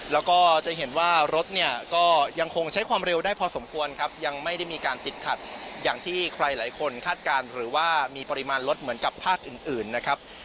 แล้วก็จะเห็นว่ารถเนี่ยก็ยังคงใช้ความเร็วได้พอสมควรครับยังไม่ได้มีการติดขัดอย่างที่ใครหลายคนคาดการณ์หรือว่ามีปริมาณรถเหมือนกับภาคอื่นนะครับ